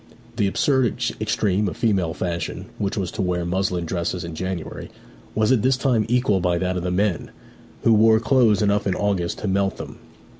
The absurd extreme of female fashion, which was to wear muslin dresses in January, was at this time equalled by that of the men, who wore clothes enough in August to melt them.